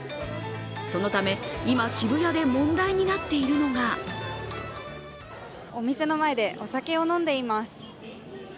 そのため、今、渋谷で問題になっているのがお店の前でお酒を飲んでいます。